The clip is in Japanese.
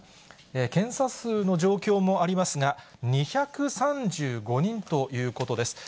検査数の状況もありますが、２３５人ということです。